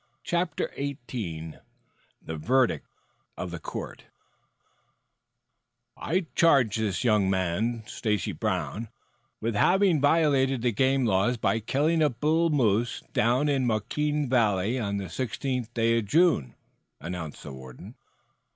CHAPTER XVIII THE VERDICT OF THE COURT "I charge this young man, Stacy Brown, with having violated the game laws by killing a bull moose down in Moquin Valley on the sixteenth day of June," announced the warden.